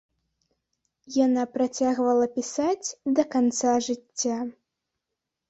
Яна працягвала пісаць да канца жыцця.